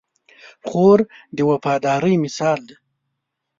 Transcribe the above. خور د وفادارۍ مثال ده.